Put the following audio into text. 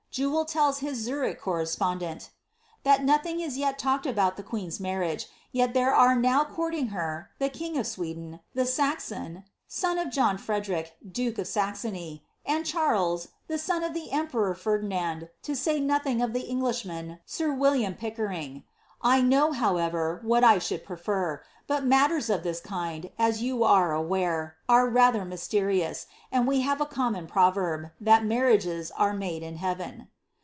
Jewel tells his Zurich cor respondent ^ that nothing is yet talked about the queen's marriage, yet there are now courting her the king of Sweden, the Saxon (son of John Frederic, duke of Saxony), and Charles, the son of the emperor P'erdi Band, to say nothing of the Englishman, sir William Pickering. I know, however, what I should prefer; but matters of this kind, as you are aware, are rather mysterious, and we have a common proverb, that mar riages are made in heaven."